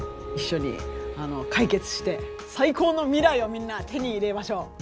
一緒に解決して最高の未来をみんな手に入れましょう。